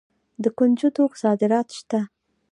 د کنجدو صادرات شته.